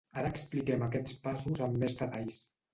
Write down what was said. Ara expliquem aquests passos amb més detalls.